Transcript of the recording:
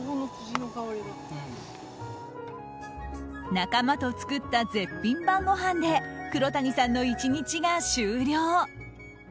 仲間と作った絶品晩ごはんで黒谷さんの１日が終了。